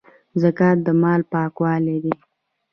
زکات د مال پاکوالی دی